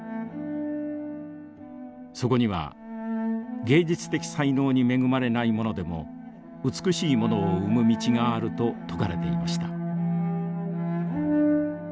そこには芸術的才能に恵まれない者でも美しいものを生む道があると説かれていました。